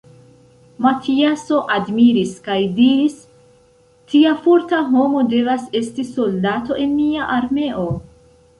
Matiaso admiris kaj diris: Tia forta homo devas esti soldato en mia armeo.